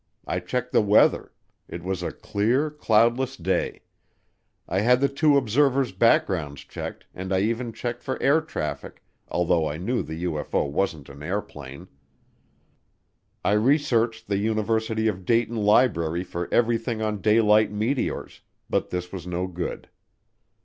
I checked the weather it was a clear, cloudless day; I had the two observers' backgrounds checked and I even checked for air traffic, although I knew the UFO wasn't an airplane. I researched the University of Dayton library for everything on daylight meteors, but this was no good.